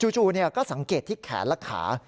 จู่ก็สังเกตที่แขนและขา